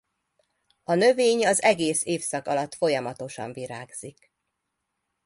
A növény az egész évszak alatt folyamatosan virágzik.